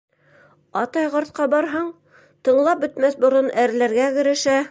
- Атай ҡартка барһаң, тыңлап бөтмәҫ борон әрләргә керешә.